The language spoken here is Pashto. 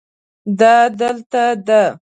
دا دلته ده